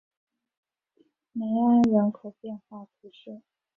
梅埃人口变化图示